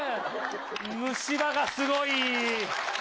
虫歯がすごい。